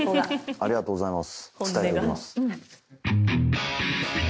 ありがとうございます。